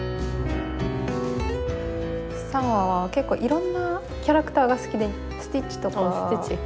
サンファは結構いろんなキャラクターが好きでスティッチとか。スティッチ。